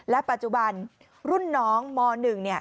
ปัจจุบันรุ่นน้องม๑เนี่ย